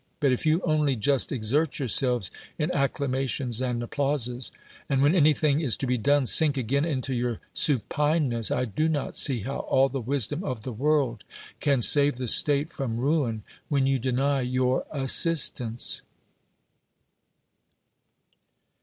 But if you only just exert yourselves in accla mations and applauses, and when anything is to be done sink again into your supineness, I do not see how all the wisdom of the world can save the state from ruin when you deny your assistance.